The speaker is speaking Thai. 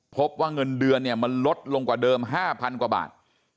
พบว่าเงินเดือนเนี่ยมันลดลงกว่าเดิม๕๐๐กว่าบาท